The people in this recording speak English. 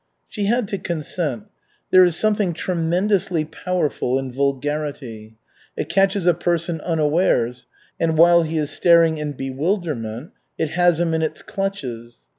She had to consent. There is something tremendously powerful in vulgarity. It catches a person unawares, and while he is staring in bewilderment, it has him in its clutches.